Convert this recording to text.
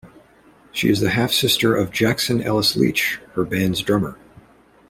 She is the half-sister of Jackson Ellis-Leach, her band's drummer.